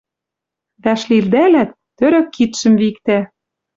Вӓш лилдӓлӓт — тӧрӧк кидшӹм виктӓ.